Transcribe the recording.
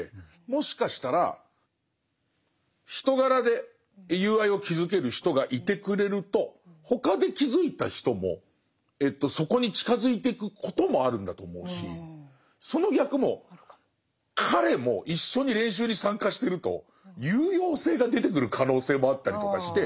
もしかしたら人柄で友愛を築ける人がいてくれると他で築いた人もそこに近づいてくこともあるんだと思うしその逆も彼も一緒に練習に参加してると有用性が出てくる可能性もあったりとかして。